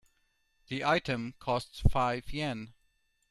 The item costs five Yen.